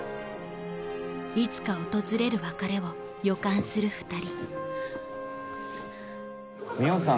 いつか訪れる別れを予感する２人海音さん